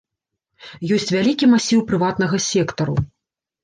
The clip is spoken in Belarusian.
Ёсць вялікі масіў прыватнага сектару.